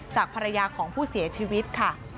จากภรรยาของผู้เสียชีวิตค่ะ